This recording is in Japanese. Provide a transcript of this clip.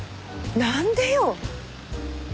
なんでよ？